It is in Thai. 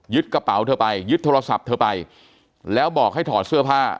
กระเป๋าเธอไปยึดโทรศัพท์เธอไปแล้วบอกให้ถอดเสื้อผ้า